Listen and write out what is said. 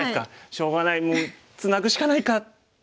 「しょうがないもうツナぐしかないか」。